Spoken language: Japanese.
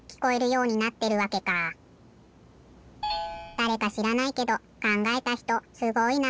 だれかしらないけどかんがえたひとすごいなあ！